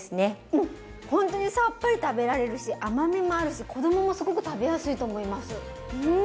ほんとにさっぱり食べられるし甘みもあるし子供もすごく食べやすいと思いますうん。